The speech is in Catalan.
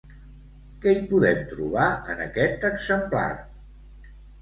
Què hi podem trobar en aquest exemplar?